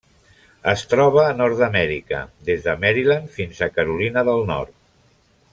Es troba a Nord-amèrica: des de Maryland fins a Carolina del Nord.